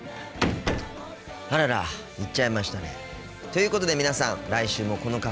あらら行っちゃいましたね。ということで皆さん来週もこのカフェでお会いしましょう。